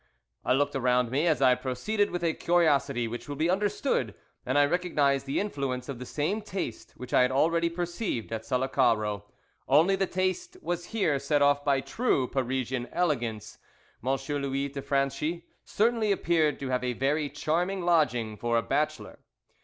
_ I looked around me as I proceeded with a curiosity which will be understood, and I recognized the influence of the same taste which I had already perceived at Sullacaro; only the taste was here set off by true Parisian elegance. M. Louis de Franchi certainly appeared to have a very charming lodging for a bachelor.